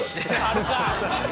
あるか！」